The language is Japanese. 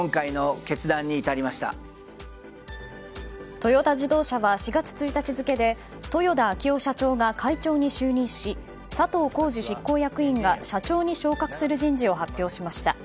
トヨタ自動車は４月１日付で豊田章男社長が会長に就任し佐藤恒治執行役員が社長に昇格する人事を発表しました。